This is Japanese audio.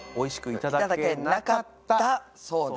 いただけなかったそうです。